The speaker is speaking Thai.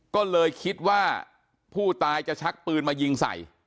ก็เลยคิดว่าผู้ตายจะชักปืนมายิงใส่